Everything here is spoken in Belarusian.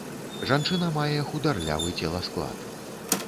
Жанчына мае хударлявы целасклад.